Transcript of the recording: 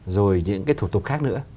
rồi những thủ tục khác nữa